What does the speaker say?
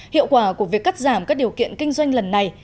hiệu quả của việc cắt giảm các điều kiện kinh doanh lần này